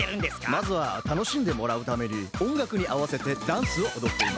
まずはたのしんでもらうためにおんがくにあわせてダンスをおどっています。